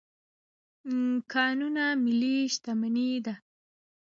کانونه ملي شتمني ده.